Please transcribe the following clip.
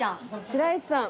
「白石さん